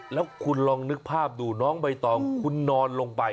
แล้วคุณลองนึกภาพดูน้องใบตองคุณนอนลงไป